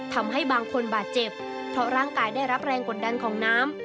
ทำให้บางคนบาดเจ็บเพราะร่างกายได้รับแรงกดดันของน้ำ